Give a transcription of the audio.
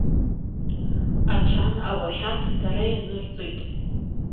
Аҽан ауахьад дара ианырҵоит.